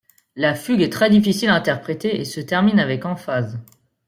La fugue est très difficile à interpréter, et se termine avec emphase.